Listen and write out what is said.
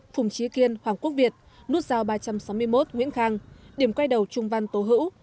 phùng trí kiên hoàng quốc việt nút giao ba trăm sáu mươi một nguyễn khang điểm quay đầu trung văn tố hữu